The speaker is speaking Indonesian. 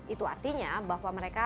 itu artinya bahwa mereka